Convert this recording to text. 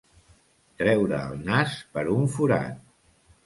Treure el nas per un forat.